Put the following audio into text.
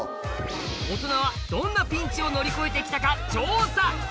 大人はどんなピンチを乗り越えて来たか調査！